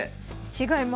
違います。